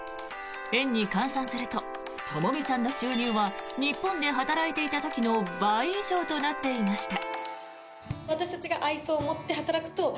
円に換算するとともみさんの収入は日本で働いていた時の倍以上となっていました。